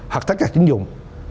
hoặc tất cả chính dụng